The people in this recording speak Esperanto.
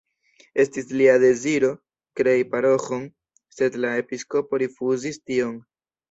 Estis lia deziro krei paroĥon, sed la episkopo rifuzis tion.